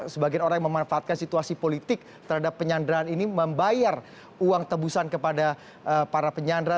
sebagian orang yang memanfaatkan situasi politik terhadap penyanderaan ini membayar uang tebusan kepada para penyandra